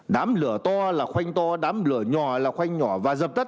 đám lửa to là khoanh to đám lửa nhỏ là khoanh nhỏ và dập tắt